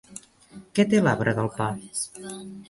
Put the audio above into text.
Què té l'arbre del pa?